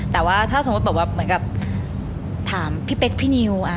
แต่ว่าถ้าสมมุติแบบว่าเหมือนกับถามพี่เป๊กพี่นิว